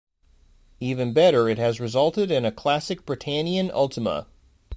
Even better, it has resulted in a classic Britannian Ultima.